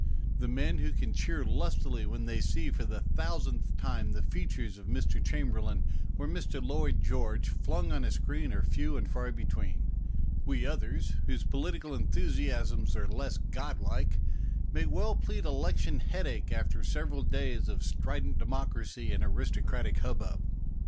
The men who can cheer lustily when they see for the thousandth time the features of Mr. Chamberlain or Mr. Lloyd George flung on a screen are few and far between. We others, whose political enthusiasms are less god like, may well 133 134 MONOLOGUES plead election headache after several days of strident democracy and aristocratic hubbub.